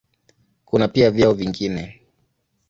Kuna pia vyeo vingine.